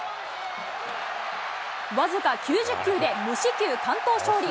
僅か９０球で無四球完投勝利。